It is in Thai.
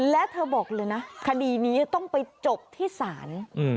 และเธอบอกเลยนะคดีนี้ต้องไปจบที่ศาล